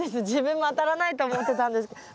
自分も当たらないと思ってたんです。